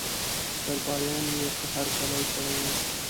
درباریانو یې ښه هرکلی کړی وو.